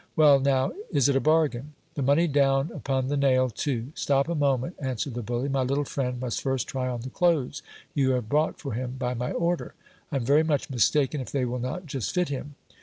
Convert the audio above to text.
Well, now, is it a bargain ? The money down upon the nail too ! Stop a moment ! answered the bully ; my little friend must first try on the clothes you have brought for him by my order : I am very much mistaken if they will not just fit him.